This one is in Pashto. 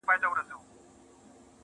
چا مي د زړه كور چـا دروازه كي راتـه وژړل~